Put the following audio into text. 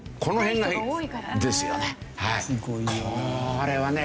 これはね